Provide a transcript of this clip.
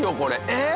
えっ！？